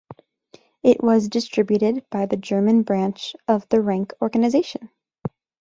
It was distributed by the German branch of the Rank Organisation.